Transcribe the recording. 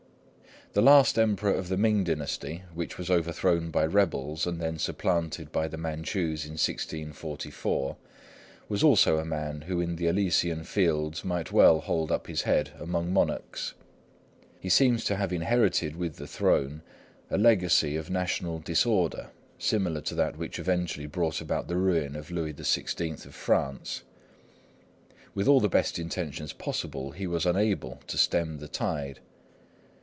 The last Emperor of the Ming dynasty, which was overthrown by rebels and then supplanted by the Manchus in 1644, was also a man who in the Elysian fields might well hold up his head among monarchs. He seems to have inherited with the throne a legacy of national disorder similar to that which eventually brought about the ruin of Louis XVI of France. With all the best intentions possible, he was unable to stem the tide.